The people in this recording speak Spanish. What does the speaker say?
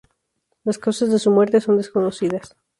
Las causas de su muerte son desconocidas.